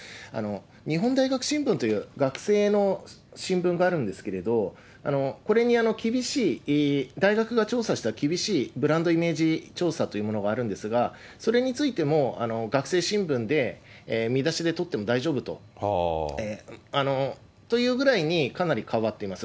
日本大学新聞という学生の新聞があるんですけれど、これに厳しい、大学が調査した厳しいブランドイメージ調査というものがあるんですが、それについても学生新聞で見出しで取っても大丈夫と。というぐらいに、かなり変わっています。